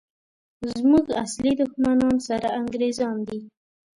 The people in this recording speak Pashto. زموږ اصلي دښمنان سره انګریزان دي!